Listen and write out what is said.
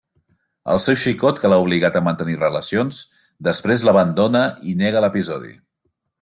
El seu xicot, que l'ha obligat a mantenir relacions, després l'abandona i nega l'episodi.